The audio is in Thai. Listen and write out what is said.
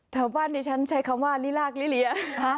แถวบ้านดิฉันใช้คำว่าลิลากลิเลีย